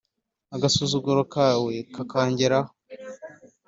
agasuzuguro kawe kakangeraho;